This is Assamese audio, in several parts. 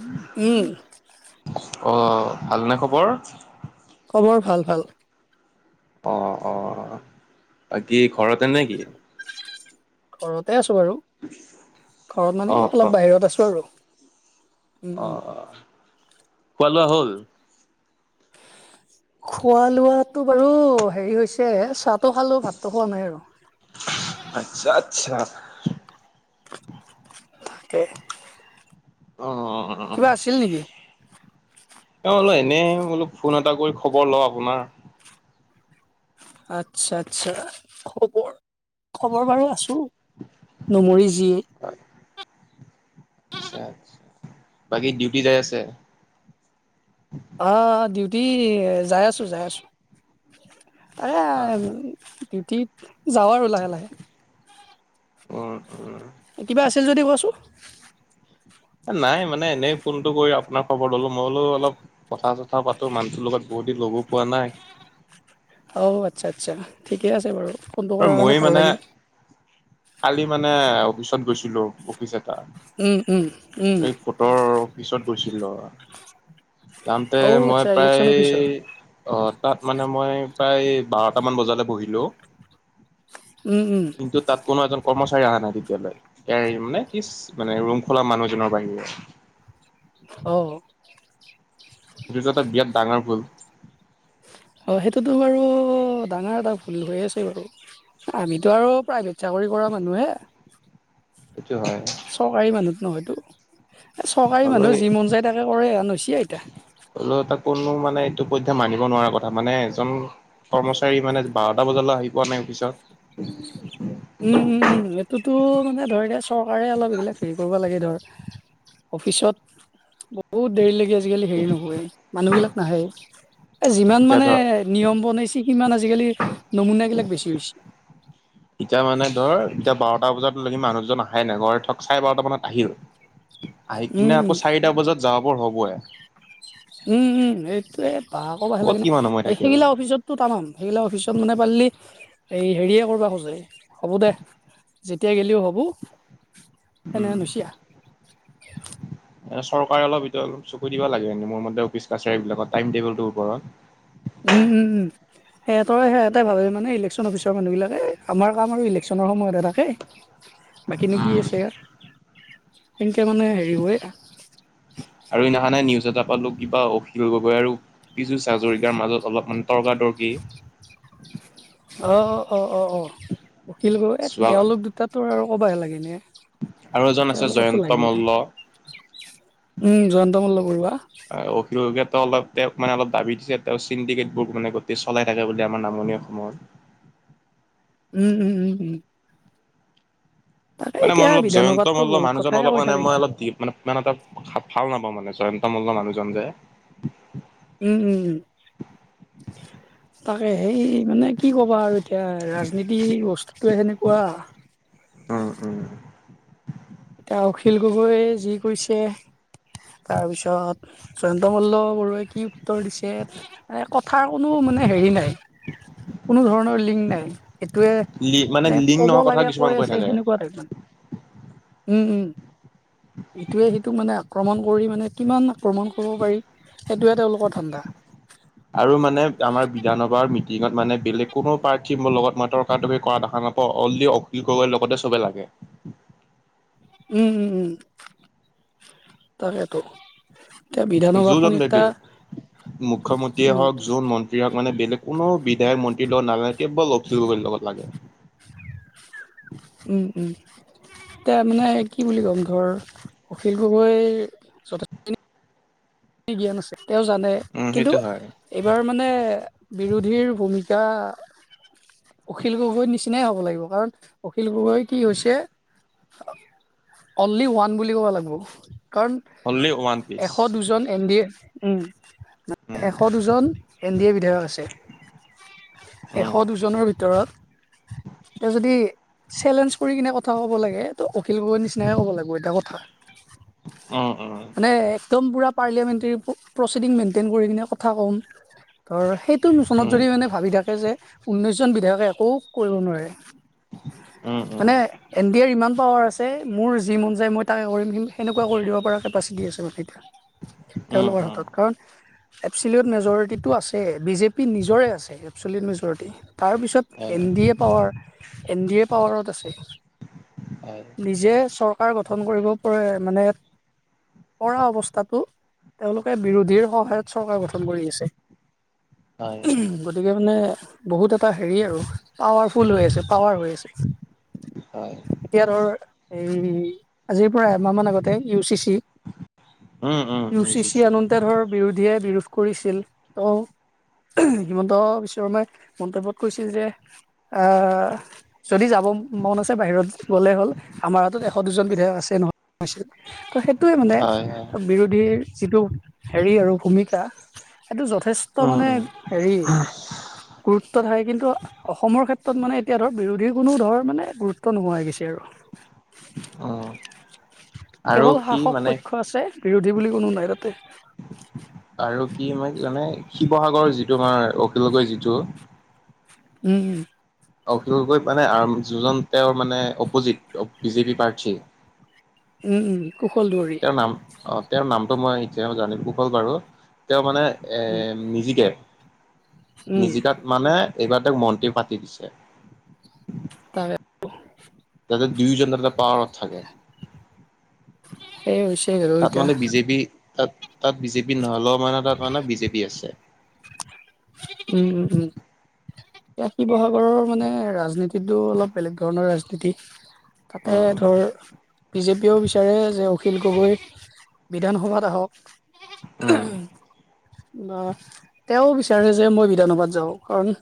উ উম। অ ভালনে খবৰ? খবৰ ভাল ভাল। অ অ বাকী ঘৰতে নে কি? ঘৰতে আছো বাৰু। ঘৰত মানে এ অ', অলপ অ'। বাহিৰত আছো আৰু। উম, অ উম। খোৱা লোৱা হ'ল? খোৱা লোৱাটো বাৰু হেৰি হৈছে চাহটো খালো, ভাতটো খোৱা নাই আৰু। আচ্ছা আচ্ছা। [unintelligible] অ অ অ। কিবা আছিল নেকি? অ এনেই বোলো ফোন এটা কৰি খবৰ লওঁ আপোনাৰ। আচ্ছা আচ্ছা খবৰ, খবৰ বাৰু আছো। নমৰি জী। হয় [inaudible] আচ্ছা আচ্ছা, বাকী ডিউটি যাই আছে? অ ডিউটি যাই আছো যাই আছো। এয়া অ', অ'। ডিউটিত যাওঁ আৰু লাহে লাহে। উম উম। কিবা আছিল যদি কোৱাচোন। নাই মানে এনেই ফোনটো কৰি আপোনাৰ খবৰ ললো, মই বোলো অলপ কথা চথা পাতো মানুটোৰ লগত বহুত দিন লগো পোৱা নাই। অঁ আচ্ছা আচ্ছা ঠিকে আছে বাৰু। ফোনটো আৰু কৰাৰ কাৰণে মই ভাল মানে লাগিল। কালি মানে অফিচত গৈছিলো। অফিচ এটা উম, উম, উম, এই ফটৰ অফিচত গৈছিল ৰ। যামতে অ' মই আচ্ছা ইলেকশ্যন প্ৰায় অফিচৰ অঁ তাত মানে মই প্ৰায় বাৰটামান বজালে বহিলোঁ। উম উওম। কিন্তু তাত কোনো এজন কৰ্মচাৰী অহা নাই তেতিয়ালৈ ই মানে ইচ্ মানে ৰুম খোলা মানুহজনৰ বাহিৰে অঁ! জোজট বিৰাট ডাঙৰ ভুল। অঁ সেইটোতো বাৰু ডাঙৰ এটা ভুল হৈ আছে বাৰু আমিতো আৰু প্ৰাইভেট চাকৰি কৰা মানুহে। সেইটো হয়। চৰকাৰী মানুহত নহয়তো এই চৰকাৰী হ'লেও মানুহৰ যি মন যায় তাকে কৰে এ ন চি আইতা হলেও তাক কোনো মানে এইটো পধ্যায় মানিব নোৱাৰা কথা মানে এজন কৰ্মচাৰী মানে বাৰটা বজালৈ আহি পোৱা নাই অফিচত উমঁ উমঁ উমঁ এইটোতো মানে ধৰি এ চৰকাৰে অলপ এইগিলাক হেৰি কৰিব লাগে ধৰ অফিচত বহুত দেৰি লাগি আছে আজিকালি হেৰি নহয় মানুহ বিলাক নাহে এ যিমান এতিয়া মানে ধৰ নিয়ম বনাইছে কিমান আজিকালি নমুনীয়াবিলাক বেছি হৈছে এতিয়া মানে ধৰ এতিয়া বাৰটা বজাতকি মানুহজন আহাই নাই ঘৰৰত ধৰক চাৰে বাৰটা মানত আহিব আহি কিনে আকৌ চাৰিটা বজাত যাব বৰ হ'বই উমঁ উমঁ এইটোয়ে ব আকৌ বাহে লাগ ক'ত ন কিমান সময় এই থাকে আৰু সেইগিলা অফিচত টো টামাম সেইগিলা অফিচত মানে পাৰিলি এই হেৰিয়ে কৰিবা খোজে হ'ব দে যেতিয়া গ'লেও হ'ব। সেনেহেন হৈছি উমঁ! আ এ চৰকাৰে অলপ ভিতৰত চকু দিব লাগে মোৰ মতে অফিচ কাছাৰী বিলাকৰ টাইম টেবুলটোৰ ওপৰত উমঁ উমঁ উমঁ সেতই সে এটাই ভাবে মানে ইলেকচন অফিচত হেত মানুহবিলাকে আমাৰ কাম আৰু ইলেকশ্যনৰ সময়তে থাকে বাকীনো কি আছে ইয়াত সেনেকৈ মানে হেৰি হৈ আৰু সদিনাখে নিউজ এটা পালোঁ কিবা অখিল গগৈ আৰু পিছু হাজৰিকাৰ মাজত অলপমান তৰ্কাতৰ্কি অঁ অঁ অঁ অঁ অঁ অখিল গগৈৰ এ চোৱা তেওঁলোক দুটা তোৰ আৰু ক'বই লাগে নে আৰু এজন আছে জয়ন্ত মল্ল উমঁ জয়ন্ত মল্ল বৰুৱা অখিল গগৈয়ে অলপ তেওঁক মানে অলপ দাবী দিছে তেওঁ চিণ্ডিকেটবোৰ মানে গোটেই চলাই থাকে বুলি আমাৰ নামনীয় অসমত ওঁম ওঁম ওঁম ওঁম। মানে মই এতিয়া অলপ জয়ন্ত বিধানসভাততো মল বহুত মানুহজন কথাই অলপ কৈ মানে থাকে মই অলপ দি মানে ইমান এটা ভাল নাপাওঁ মানে জয়ন্ত মল্ল মানুহজন যে উমঁ উমঁ! [inaudible] তাকে সেই মানে কি ক'বা আৰু এতিয়া ৰাজনীতি বস্তুতোয়ে সেনেকুৱা উমঁ উমঁ! এতিয়া অখিল গগৈয়ে যি কৰিছে তাৰপিছত জয়ন্ত মল্ল বৰুৱাই কি উত্তৰ দিছে ম কথাৰ কোনো মানে হেৰি নাই কোনো ধৰণৰ লিংক নাই সেইটোৱে লি মানে তে লিংক ক'ব নোহোৱা কথা লাগে কিছুমান কৈ আছে থাকে। সেনেকুৱা দেখোন উমঁ উমঁ ইটোৱে সিটোক মানে আক্ৰমণ কৰি মানে কিমান আক্ৰমণ কৰিব পাৰি সেইটোহে তেওঁলোকৰ ঠাণ্ডা আৰু মানে আমাৰ বিধানসভাৰ মিটিঙত মানে বেলেগ কোনো প্ৰাৰ্থী মোৰ লগত মই তৰ্কাতৰ্কি কৰা দেখা নাপাওঁ অঁ অনলি অখিল গগৈৰ লগতে চবে লাগে। উম উম উম তাকেইতো। যোনজন থাকিল মুখ্যমন্ত্ৰীয়ে উম হওক যোন মন্ত মানে বেলেগ কোনো বিধায়ক মন্ত্ৰী লগত নালাগে কেৱল অখিল গগৈৰ লগত লাগে। উম উম, এতিয়া মানে কি বুলি ক'ম ধৰ অখিল গগৈ, জ্ঞান আছে তেওঁ জানে উম কিন্তু সেইটো হয় এইবাৰ মানে বিৰোধীৰ ভূমিকা, অখিল গগৈৰ নিচিনাই হ'ব লাগিব কাৰণ অখিল গগৈ কি হৈছে। [inaudible] অনলি ওৱান বুলি ক'ব লাগিব কাৰণ। অনলি ওৱান পিচ এশ দুজন এন ডি এ উম উম এশ দুজন, এন ডি এ বিধায়ক আছে এশ দুজনৰ ভিতৰত, এতিয়া যদি। চেলেঞ্জ কৰি কিনে কথা ক'ব লাগে এইটো অখিল গগৈ নিচিনাকে ক'ব লাগিব এটা কথা। উম উম, মানে একদম পুৰা পাৰ্লিয়ামেণ্টেৰী প্ৰচিডিং মেইনটেইন কৰি কিনে কথা ক'ম। ধৰ সেইটো মুচনত উম যদি মানে ভাবি থাকে যে ঊনৈশ জন বিধায়কে একো কৰিব নোৱাৰে। উম মানে, উম এন ডি এৰ ইমান পাৱাৰ আছে মোৰ যি মন যায় মই তাকে কৰিম কিন্তু সেনেকুৱা কৰি দিব পৰাকে, পাচ দি আছিলো তেতিয়া উম উম তেওঁলোকৰ উম হাতত কাৰণ, এপচিলেট মেজৰিটিটো আছে বিজেপি নিজৰে আছে এপচিলিয়েট মেজৰিটি, তাৰপিছত হয় N D A power N D A পাৱাৰত আছে। হয়। নিজে চৰকাৰ গঠন কৰিব পাৰে মানে। কৰা অৱস্থাতো তেওঁলোকে বিৰোধীৰ সহায়ত চৰকাৰ গঠন কৰি আছে। হয় গতিকে মানে। বহুত এটা হেৰি আৰু পাৱাৰফুল হৈ আছে পাৱাৰ হৈ আছে। হয় এতিয়া ধৰ এই আজিৰ পৰা এমাহমান আগতে U C C, um um U C C বুজিছোঁ আনোতে ধৰ বিৰোধীয়ে বিৰোধ কৰিছিল ত, হিমন্ত বিশ্ব শৰ্মাই মন্তব্যত কৈছিল যে আহ, যদি যাব মন আছে বাহিৰত গ'লে হ'ল। আমাৰ হাতত এশ দুজন বিধায়ক আছে নয়ছিল সটোৱে মানে হয় হয় বিৰোধীৰ যিটো হেৰি আৰু ভূমিকা সেইটো যথেষ্ট উম মানে উম হেৰি গুৰুত্ব থাকে কিন্তু, অসমৰ ক্ষেত্ৰত মানে এতিয়া ধৰ বিৰোধীৰ কোনো ধৰ মানে গুৰুত্ব নোহোৱা হৈ গৈছে আৰু অ আৰু কেৱল কি। শাসক মানে পক্ষ আছে বিৰোধী বুলি কোনো নাই তাতে। আৰু কি মানে শিৱসাগৰ যিটো আমাৰ অখিল গগৈৰ যিটো, উম উম অখিল গগৈ মানে যিজন তেওঁৰ মানে অপজিত বিজেপি প্ৰাৰ্থীৰ। উম উম কুশল দুৱাৰী। তেওঁৰ নাম অ তেওঁৰ নামটো মই এতিয়া জানিম কুশল বাৰু তেওঁ মানে, এ উম, নিজিকে উম, নিজিকাত মানে এইবাৰ তেওঁক মন্ত্ৰী পাতি দিছে। তাকে, তাতে দুয়োজন এটা পাৱাৰত থাকে। সেই হৈছে আৰু তাত এতিয়া মানে বিজেপি তাত তাত বিজেপি নহ'লেও মানে তাত মানে বিজেপি আছে। উম উম। এয়া শিৱসাগৰৰ মানে ৰাজনীতিটো অলপ বেলেগ ধৰণৰ ৰাজনীতি। তাতে উম ধৰ বিজেপিয়েও বিচাৰে যে অখিল গগৈ বিধানসভাত আহক। উম অ তেওঁ বিচাৰে যে মই বিধানসভাত যাওঁ, কাৰণ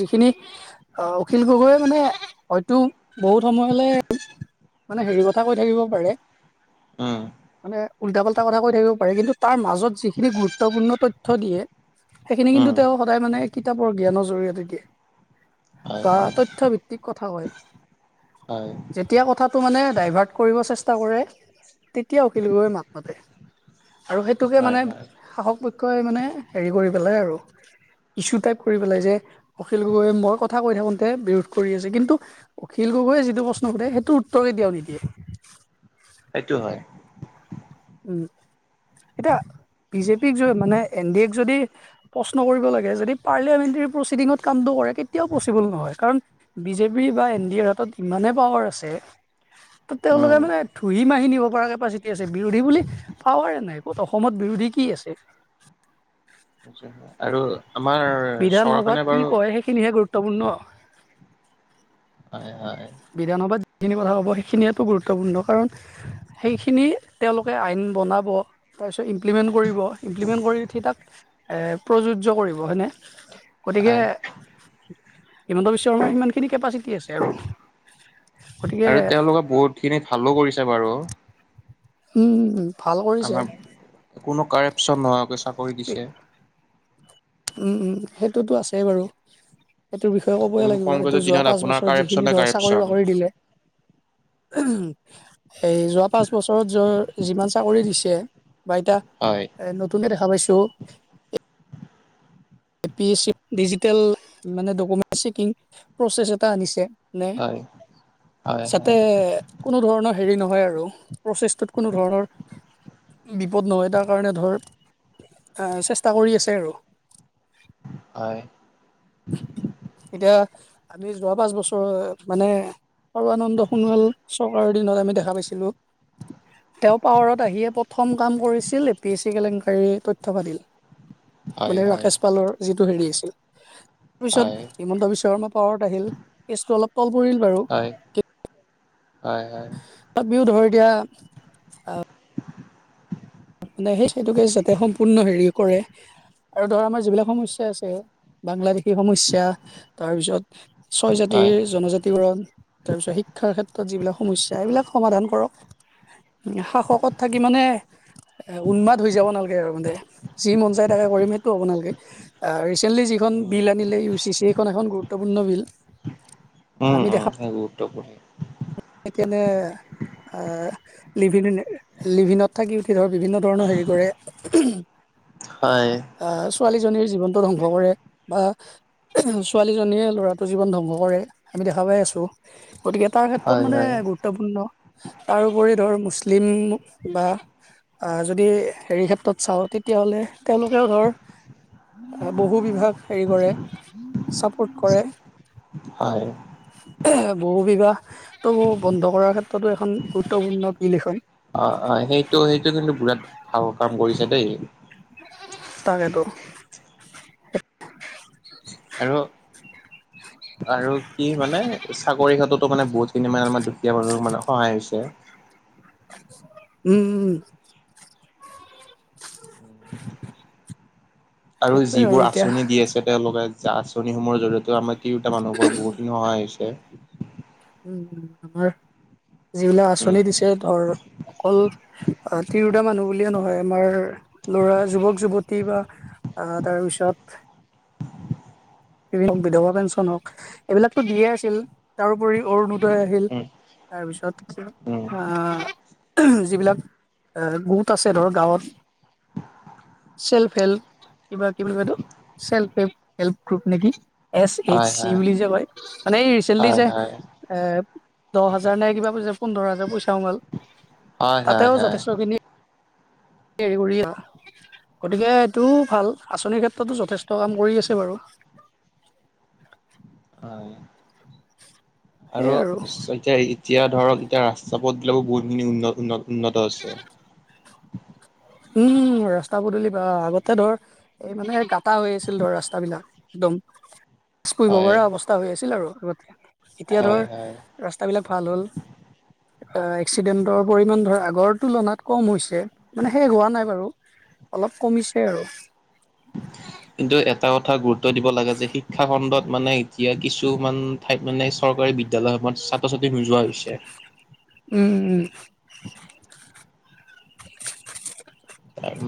যিখিনি অ অখিল গগৈয়ে মানে হয়তো বহুত সময়লে মানে হেৰি কথা কৈ থাকিব পাৰে, উম মানে উল্টা-পাল্টা কথা কৈ থাকিব পাৰে। কিন্তু তাৰ মাজত যিখিনি গুৰুত্বপূৰ্ণ তথ্য দিয়ে সেইখিনি কিন্তু উম তেওঁ সদায় মানে কিতাপৰ জ্ঞানৰ জৰি়য়তে দিয়ে হয় বা হয় তথ্য ভি তিক কথা কয়। হয়। যেতিয়া কথাটো মানে ডাইভাৰ্ট কৰিব চেষ্টা কৰে তেতিয়া অখিল গগৈে মাত মাতে। আৰু সেইটোকে হয় মানে হয় শাসক পক্ষই মানে হেৰি কৰি পেলাই আৰু। ইছু টাইপ কৰি পেলাই যে অখিল গগৈয়ে মই কথা কৈ থাকোতে বিৰোধ কৰি আছে। কিন্তু অখিল গগৈয়ে যিটো প্ৰশ্ন সুধে সেইটোৰ উত্তৰ কেতিয়াও নিদিয়ে। সেইটো হয়। উম এতিয়া বিজেপিক য মানে এন ডি এক যদি প্ৰশ্ন কৰিব লাগে, যদি পাৰ্লিয়ামেণ্টেৰী প্ৰচিডিঙত কামটো কৰে কেতিয়াও পচিবল নহয়। কাৰণ বিজেপি বা এন ডি এৰ হাতত ইমানেই পাৱাৰ আছে ত তেওঁলোকে উম মানে ধুই মাহি নিব পৰা কেপাচিটি আছে বিৰোধী বুলি পাৱাৰে নাই, ক'ত অসমত বিৰোধী কি আছে? সেইটো হয়। আৰু আমাৰ চহৰখনে বাৰু খিনিহে গুৰুত্বপূৰ্ণ। হয় হয়। বিধানসভাত যিখিনি কথা ক'ব সেইখিনিয়ো গুৰুত্বপূৰ্ণ কাৰণ সেইখিনি তেওঁলোকে আইন বনাব, তাৰপিছত ইমপ্লিমেণ্ট কৰিব, ইমপ্লিমেণ্ট কৰি উঠি তাক প্ৰযোজ্য কৰিব সেনে, গতিকে হয় হিমন্ত বিশ্ব শৰ্মাৰ সিমান খিনি কেপাচিটি আছে আৰু। গতিকে আৰু তেওঁলোকে বহুত খিনি ভালো কৰিছে বাৰু। উম উম। আমাৰ কোনো কাৰেপচন নোহোৱাকৈ চাকৰি দিছে, উম উম সেইটোতো আছেই বাৰু। সেইটো বিষয়ে ক'বই কোনো লাগিব। সেইটো কংগ্ৰেছৰ যোৱা দিনত পাঁচ আপোনাৰ বছৰত যিখিনি কাৰেপচনে ধৰ চাকৰি কাৰেপচন বাকৰি দিলে এই যোৱা পাঁচ বছৰত যৰ যিমান চাকৰি দিছে বা ইটা হয়। নতুনে দেখা পাইছো A P S C digital মানে ডকুমেণ্ট চেকিং প্ৰচেছ এটা আনিছে নে হয় হয় যাতে হয় কোনো ধৰণৰ হেৰি নহয় আৰু প্ৰচেছটোত কোনো ধৰণৰ বিপদ নহয়, তাৰ কাৰণে ধৰ চেষ্টা কৰি আছে আৰু। হয় এতিয়া আমি যোৱা পাঁচ বছৰ মানে সৰ্বানন্দ সোণোৱাল চৰকাৰৰ দিনত আমি দেখা পাইছিলো তেওঁ পাৱাৰত আহিয়ে প্ৰথম কাম কৰিছিল এ পি এছ চি কেলেংকাৰীৰ তথ্য পাতিল [unintelligible] মানে হয় ৰাকেশ পালৰ যিটো হেৰি আছিল পিছত হিমন্ত বিশ্ব শৰ্মা পাৱাৰত আহিল কেচটো অলপ তল পৰিল বাৰু হয় হয় হয় তাবিও বিহু ধৰ এতিয়া মানে সেই সেইটো কেচ যাতে সম্পূৰ্ণ হেৰি কৰে আৰু ধৰ আমাৰ যিবিলাক সমস্যা আছে বাংলাদেশ সেই সমস্যা তাৰপিছত ছয় হয় জাতিৰ জনজাতিকৰণ তাৰপিছত শিক্ষাৰ ক্ষেত্ৰত যিবিলাক সমস্যা এইবিলাক সমাধান কৰক শাসকত থাকি মানে এ উন্মাদ হৈ যাব নালাগে আৰু মানে যি মন যায় তাকে কৰিম সেইটো হব নালগে ৰিচেণ্টলি যিখন বিল আনিলে ইউ চি চি এইখন এখন গুৰুত্বপূৰ্ণ বিল উম উম গুৰুত্বপূৰ্ণ এইকানে আ লিভিন নে নে লিভিনত থাকি উঠি ধৰ বিভিন্ন ধৰণৰ হেৰি কৰে হয় আহ ছোৱালীজনীৰ জীৱনটো ধ্বংস কৰে বা ছোৱালীজনীয়ে ল'ৰাটোৰ জীৱন ধ্বংস কৰে আমি দেখা পাই আছোঁ গতিকে তাৰ তত হয় মানে হয় গুৰুত্বপূৰ্ণ তাৰোপৰি ধৰ মুছলিম বা আ যদি হেৰি ক্ষেত্ৰত চাওঁ তেতিয়াহ'লে তেওঁলোকেও ধৰ আ বহু বিভাগ হেৰি কৰে চাপৰ্ট কৰে হয় বহু বিঘাহটো বন্ধ কৰাৰ ক্ষেত্ৰতো এখন গুৰুত্বপূৰ্ণ বিল এখন অ অ সেইটো সেইটো কিন্তু বুৰাত ভাল কাম কৰিছে দেই তাকেতো আৰু আৰু কি মানে চাকৰি ক্ষেত্ৰতো মানে বহুতখিনি মানে আমাৰ দুখীয়া মানুহ মানে সহায় হৈছে উম উম আৰু সেইটোৱে যিবোৰ এতিয়া আঁচনি দি আছে তেওঁলোকে জা আঁচনিসমূহৰ জৰিয়তেও আমাৰ তিৰোতা মানুহবোৰৰ বহুতখিনি সহায় হৈছে উ আমাৰ যিবিলাক উম, আঁচনি দিছে ধৰ অকল অ তিৰো তা মানুহ বুলিয়ে নহয় আমাৰ ল'ৰা যুৱক যুৱতী বা আ তাৰপিছত বিধৱা পেঞ্চন হওক এইবিলাকতো দিয়ে আছিল তাৰোপৰি অৰুণোদয় আহিল তাৰপিছত উম, আহ যিবিলাক এ গোত আছে ধৰ গাঁৱত চেল্ফ হেল্প কিবা কি বুলি কয় এইটো ছেল্ফ পেপ গ্ৰুপ নেকি এচ এইচ হয়, চি হয়, বুলি যে কয় মানে এই ৰিচেন্টলি হয়, যে হয়, এ দহ হাজাৰ নাই কিবা বুলি যে পোন্ধৰ হাজাৰ পইচ তামাল হয়, হয়, তাতেও হয়। যথেষ্ট খিনি হেৰি কৰি আৰু গতিকে এইটো ভাল আঁচনিৰ ক্ষেত্ৰতো যথেষ্ট কাম কৰি আছে বাৰু আহ আৰু এতিয়া এতিয়া ধৰক এতিয়া ৰাস্তা পথবিলাকো বহুতখিনি উন্ন উন্ন উন্নত হৈছে উম ৰাস্তা পদূলি বা আগতে ধৰ এই মানে গাটা হৈ আছিল ধৰ ৰাস্তাবিলাক একদম মাছ পুহিব হয়, পৰা অৱস্থা হৈ আছিল আৰু আগতে এতিয়া হয়, ধৰ হয়। ৰাস্তাবিলাক ভাল হ'ল আ এক্সিডেণ্টৰ পৰিমাণ ধৰ আগৰ তুলনাত কম হৈছে মানে শেষ হোৱা নাই বাৰু অলপ কমিছে আৰু কিন্তু এটা কথা গুৰুত্ব দিব লাগে যে শিক্ষা খণ্ডত মানে এতিয়া কিছুমান ঠাইত মানে এই চৰকাৰী বিদ্যালয়সমূহত ছাত্ৰ ছাত্ৰী নোযোৱা হৈ গৈছে উম উম তাৰ মান